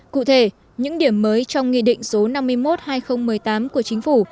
cụ thể những điểm mới trong nghị định số năm mươi một hai nghìn một mươi tám của chính phủ